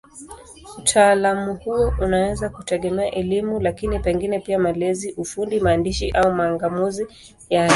Utaalamu huo unaweza kutegemea elimu, lakini pengine pia malezi, ufundi, maandishi au mang'amuzi yake.